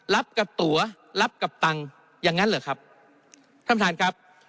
รับกับตัวรับกับตังค์อย่างนั้นเหรอครับท่านประธานครับ